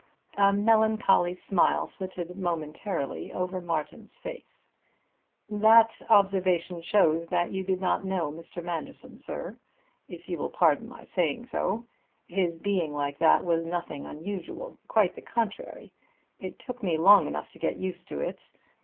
A melancholy smile flitted momentarily over Martin's face. "That observation shows that you did not know Mr. Manderson, sir, if you will pardon my saying so. His being like that was nothing unusual; quite the contrary. It took me long enough to get used to it.